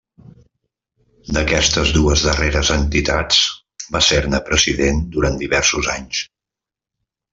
D'aquestes dues darreres entitats va ser-ne president durant diversos anys.